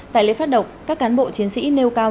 tại lễ phát động các cán bộ chiến sĩ nêu cao